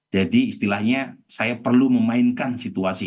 jadi istilahnya saya perlu memainkan situasi